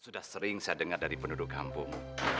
sudah sering saya dengar dari penduduk kampung